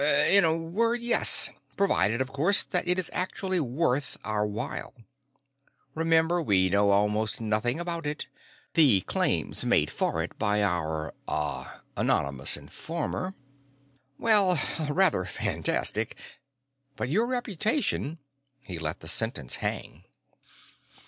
"In a word, yes. Provided, of course, that it is actually worth our while. Remember, we know almost nothing about it; the claims made for it by our ... ah ... anonymous informer are ... well, ah ... rather fantastic. But your reputation " He let the sentence hang.